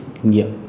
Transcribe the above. và giúp kinh nghiệm